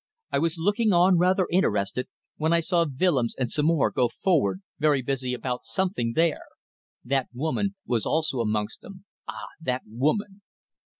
I was looking on, rather interested, when I saw Willems and some more go forward very busy about something there. That woman was also amongst them. Ah, that woman